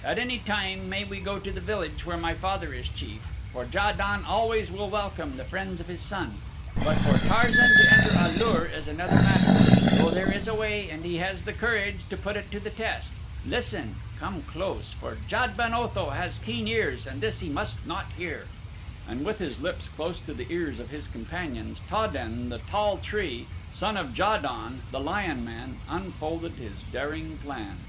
At any time may we go to the village where my father is chief, for Ja don always will welcome the friends of his son. But for Tarzan to enter A lur is another matter, though there is a way and he has the courage to put it to the test listen, come close for Jad ben Otho has keen ears and this he must not hear," and with his lips close to the ears of his companions Ta den, the Tall tree, son of Ja don, the Lion man, unfolded his daring plan.